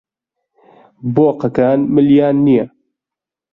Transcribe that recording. بۆقەکان ملیان نییە.